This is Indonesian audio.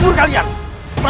buka kepala kalian